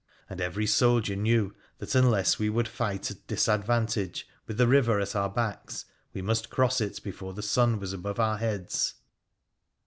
And every soldier knew that, unless we would fight at disadvantage, with the river at our backs, we must cross it before the sun was above our heads.